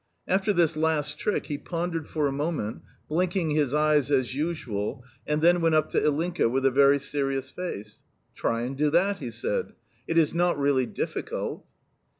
After this last trick he pondered for a moment (blinking his eyes as usual), and then went up to Ilinka with a very serious face. "Try and do that," he said. "It is not really difficult."